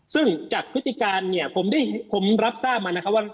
ซึ่งจากพิธีการผมรับทราบมาว่า